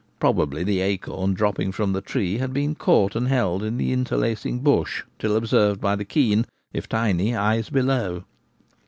Probably the acorn, dropping from the tree, had been caught no T/ie Gamekeeper at Home. and held in the interlacing of the bush till observed by the keen, if tiny, eyes below.